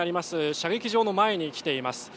射撃場の前に来ています。